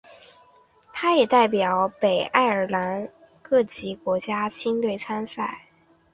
他也代表北爱尔兰各级国青队参赛。